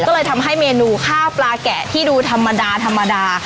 ก็เลยทำให้เมนูข้าวปลาแกะที่ดูธรรมดาธรรมดา